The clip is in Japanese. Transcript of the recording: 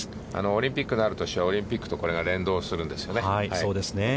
オリンピックのある年はオリンピックとこれが連動するんですよね。